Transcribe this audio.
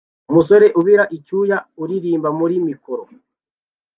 umusore ubira icyuya uririmba muri mikoro